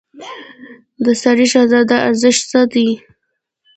د سرای شهزاده ارزښت څه دی؟